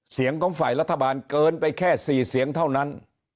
เสียงของฝ่ายรัฐบาลเกินไปแค่๔เสียงเท่านั้น